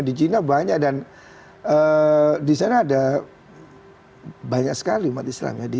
di china banyak dan di sana ada banyak sekali umat islam ya